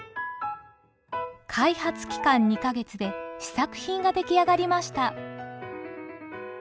開発期間２か月で試作品が出来上がりました。